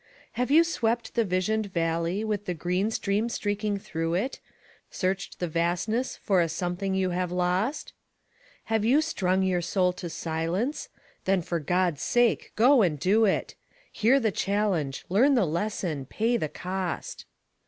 Have you swept the visioned valley with the green stream streaking through it, Searched the Vastness for a something you have lost? Have you strung your soul to silence? Then for God's sake go and do it; Hear the challenge, learn the lesson, pay the cost.